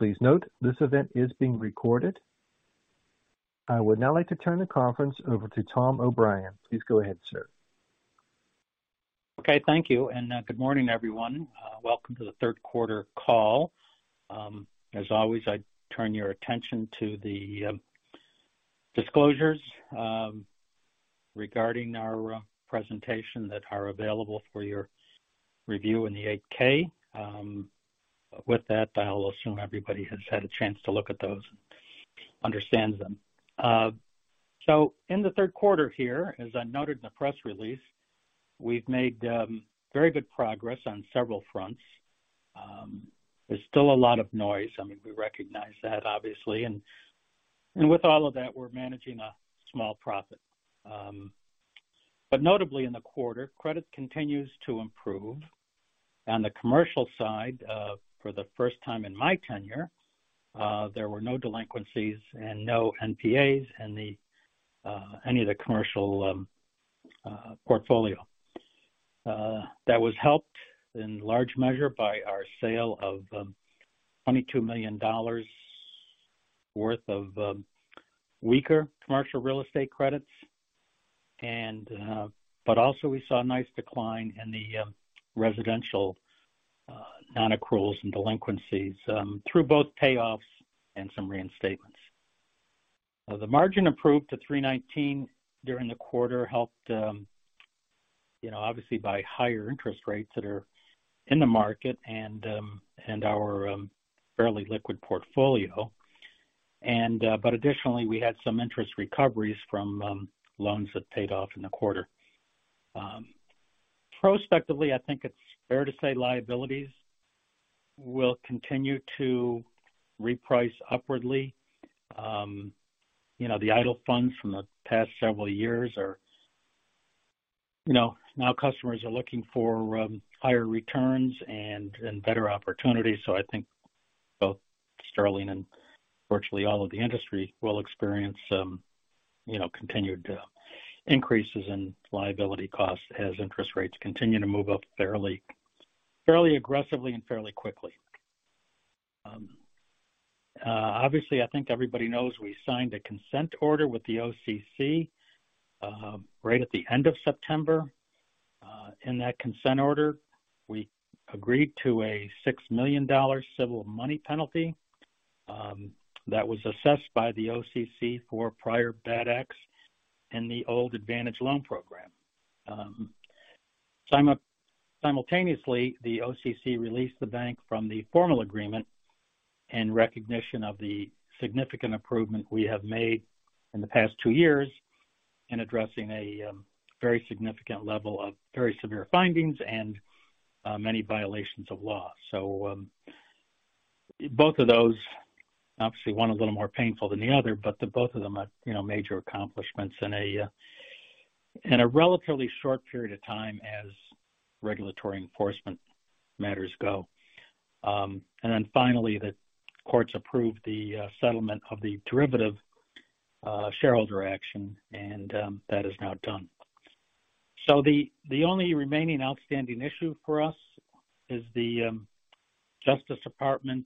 Good morning, everyone. Welcome to the Q3 call. As always, I turn your attention to the disclosures regarding our presentation that are available for your review in the 8-K. With that, I'll assume everybody has had a chance to look at those, understands them. In the Q3 here, as I noted in the press release, we've made very good progress on several fronts. There's still a lot of noise. I mean, we recognize that obviously. With all of that, we're managing a small profit. Notably in the quarter, credit continues to improve. On the commercial side, for the first time in my tenure, there were no delinquencies and no NPAs in any of the commercial portfolio. That was helped in large measure by our sale of $22 million worth of weaker commercial real estate credits. We saw a nice decline in the residential nonaccruals and delinquencies through both payoffs and some reinstatements. The margin improved to 3.19% during the quarter, helped, obviously by higher interest rates that are in the market and our fairly liquid portfolio. Additionally, we had some interest recoveries from loans that paid off in the quarter. Prospectively, I think it's fair to say liabilities will continue to reprice upwardly. The idle funds from the past several years are. Now customers are looking for higher returns and better opportunities. I think both Sterling and virtually all of the industry will experience, continued increases in liability costs as interest rates continue to move up fairly aggressively and fairly quickly. Obviously, I think everybody knows we signed a consent order with the OCC right at the end of September. In that consent order, we agreed to a $6 million civil money penalty that was assessed by the OCC for prior bad acts in the old Advantage Loan Program. Simultaneously, the OCC released the bank from the formal agreement in recognition of the significant improvement we have made in the past two years in addressing a very significant level of very severe findings and many violations of law. Both of those, obviously one a little more painful than the other, but both of them are, major accomplishments in a relatively short period of time as regulatory enforcement matters go. Then finally, the courts approved the settlement of the derivative shareholder action, and that is now done. The only remaining outstanding issue for us is the Justice Department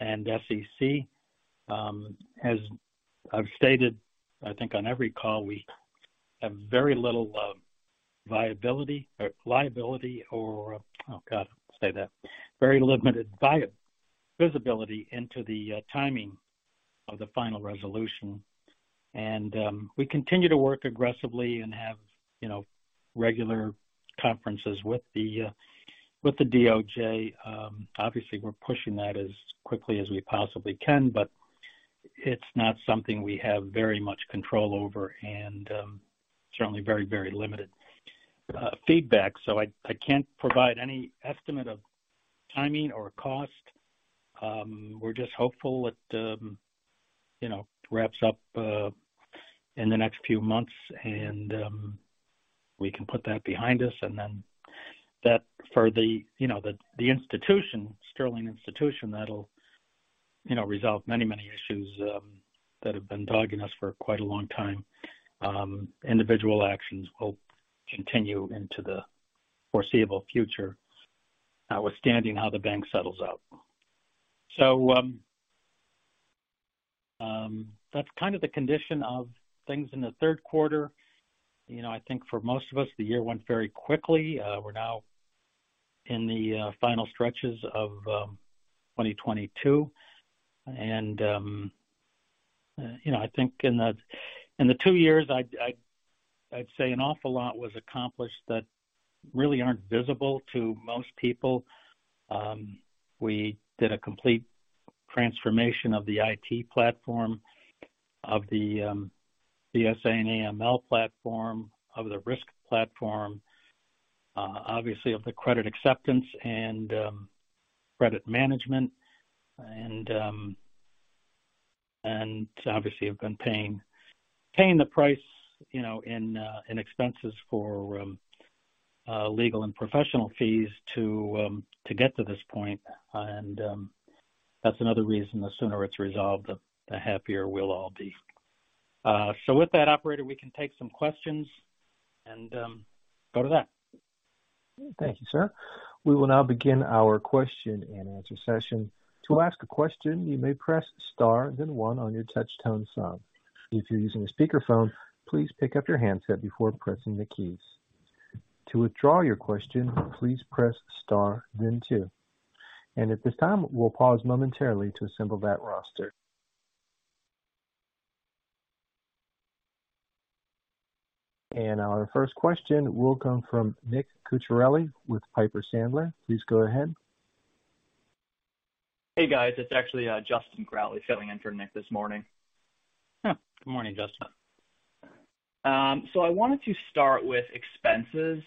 and SEC. As I've stated, I think on every call, we have very little visibility into the timing of the final resolution. We continue to work aggressively and have, regular conferences with the DOJ. Obviously we're pushing that as quickly as we possibly can, but it's not something we have very much control over and certainly very limited feedback. I can't provide any estimate of timing or cost. We're just hopeful it wraps up in the next few months and we can put that behind us and then that for the institution, Sterling institution, that'll resolve many issues that have been dogging us for quite a long time. Individual actions will continue into the foreseeable future, notwithstanding how the bank settles out. That's kind of the condition of things in the Q3. I think for most of us, the year went very quickly. We're now in the final stretches of 2022. I think in the two years, I'd say an awful lot was accomplished that really aren't visible to most people. We did a complete transformation of the IT platform, of the CSA and AML platform, of the risk platform. Obviously of the credit acceptance and credit management. We obviously have been paying the price, in expenses for legal and professional fees to get to this point. That's another reason the sooner it's resolved, the happier we'll all be. With that operator, we can take some questions and go to that. Hey, guys. It's actually, Justin Crowley filling in for Nick this morning. Oh, good morning, Justin. I wanted to start with expenses.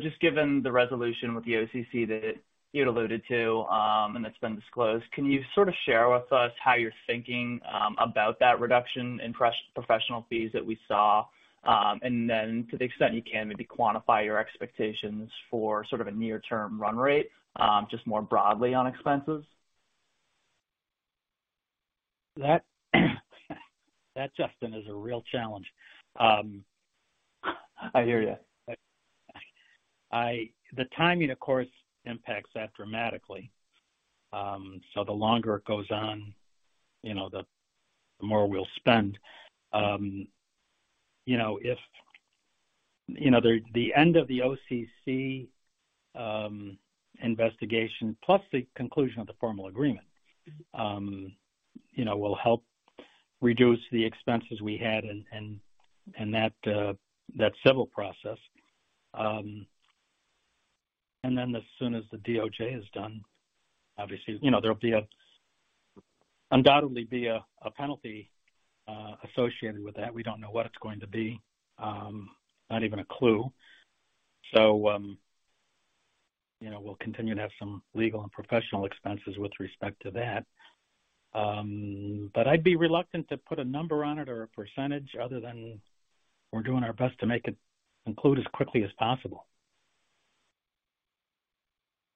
Just given the resolution with the OCC that you'd alluded to, and that's been disclosed, can you share with us how you're thinking about that reduction in professional fees that we saw? To the extent you can maybe quantify your expectations for a near-term run rate, just more broadly on expenses. That, Justin, is a real challenge. I hear you. The timing, of course, impacts that dramatically. The longer it goes on, the more we'll spend. If the end of the OCC investigation, plus the conclusion of the formal agreement, will help reduce the expenses we had and that civil process. Then as soon as the DOJ is done, obviously, there'll undoubtedly be a penalty associated with that. We don't know what it's going to be, not even a clue. We'll continue to have some legal and professional expenses with respect to that. I'd be reluctant to put a number on it or a percentage other than we're doing our best to make it conclude as quickly as possible.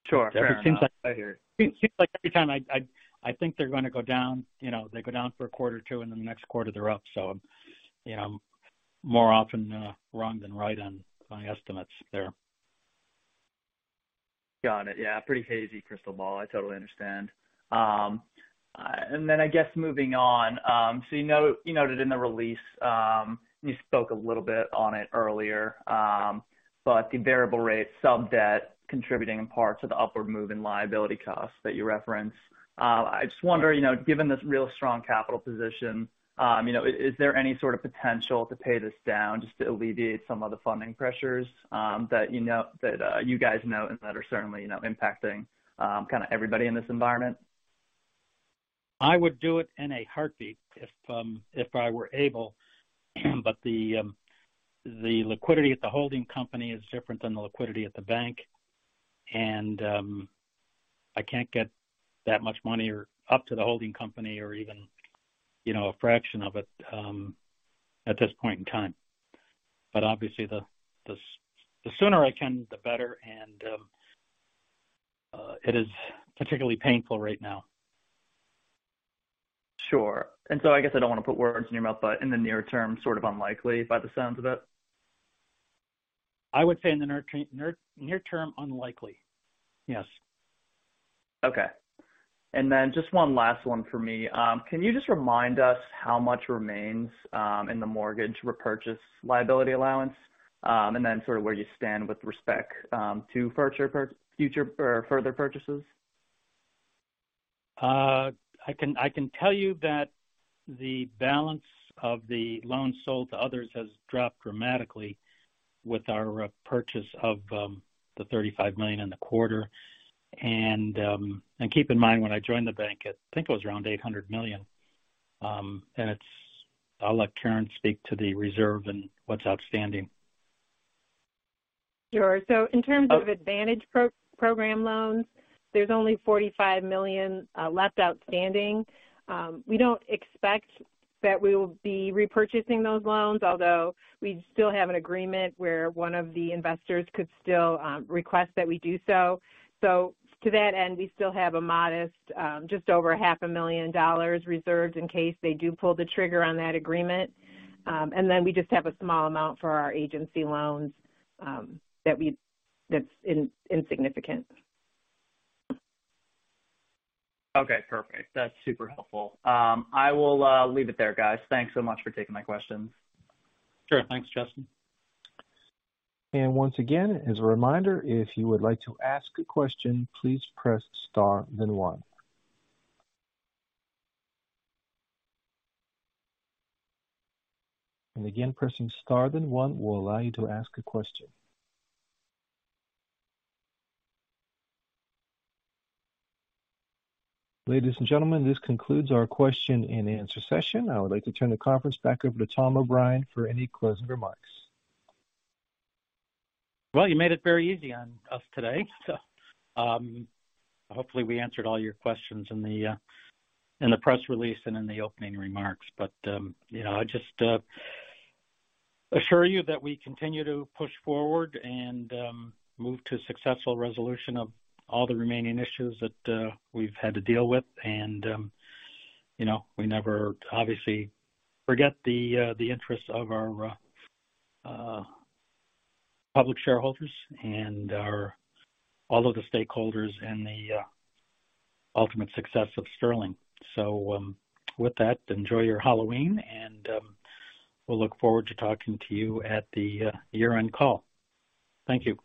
Sure. Fair enough. I hear you. It seems like every time I think they're gonna go down, they go down for a quarter or two, and then the next quarter they're up. More often wrong than right on my estimates there. Got it. Yeah. Pretty hazy crystal ball. I totally understand. I guess moving on. You noted in the release. You spoke a little bit on it earlier. The variable rate sub-debt contributing in part to the upward move in liability costs that you referenced. I just wonder, given this real strong capital position, is there any potential to pay this down just to alleviate some of the funding pressures, that you guys know and that are certainly, impacting kinda everybody in this environment? I would do it in a heartbeat if I were able. The liquidity at the holding company is different than the liquidity at the bank. I can't get that much money or up to the holding company or even, a fraction of it at this point in time. Obviously the sooner I can, the better. It is particularly painful right now. Sure. I guess I don't wanna put words in your mouth, but in the near term, unlikely by the sounds of it. I would say in the near term, unlikely. Yes. Okay. Just one last one for me. Can you just remind us how much remains in the mortgage repurchase liability allowance? where you stand with respect to future or further purchases. I can tell you that the balance of the loans sold to others has dropped dramatically with our purchase of $35 million in the quarter. Keep in mind, when I joined the bank, I think it was around $800 million. I'll let Karen speak to the reserve and what's outstanding. Sure. In terms of Advantage Loan Program loans, there's only $45 million left outstanding. We don't expect that we will be repurchasing those loans, although we still have an agreement where one of the investors could still request that we do so. To that end, we still have a modest just over half a million dollars reserved in case they do pull the trigger on that agreement. Then we just have a small amount for our agency loans that's insignificant. Okay, perfect. That's super helpful. I will leave it there, guys. Thanks so much for taking my questions. Sure. Thanks, Justin. Well, you made it very easy on us today, so hopefully we answered all your questions in the press release and in the opening remarks. I just assure you that we continue to push forward and move to successful resolution of all the remaining issues that we've had to deal with. We never obviously forget the interest of our public shareholders and all of the stakeholders in the ultimate success of Sterling. With that, enjoy your Halloween, and we'll look forward to talking to you at the year-end call. Thank you.